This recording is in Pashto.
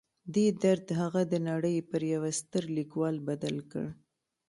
دې درد هغه د نړۍ پر یوه ستر لیکوال بدل کړ